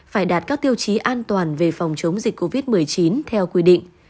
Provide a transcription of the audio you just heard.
phải đạt các tiêu chí an toàn về phòng chống dịch covid một mươi chín theo quy định